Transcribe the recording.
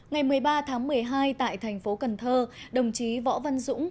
ngày một mươi ba tháng một mươi hai tại tp cần thơ đồng chí võ văn dũng